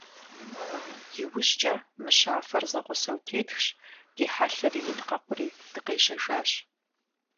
ИужькӀэ мыщафэр зэгъусэу тетхщ, ди хьэлъэр иридгъэкъури дыкъежьэжащ.